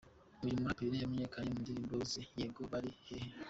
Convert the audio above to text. Uyu muraperi yemeneyekanye mu ndirimbo ze Yego, Bari hehe.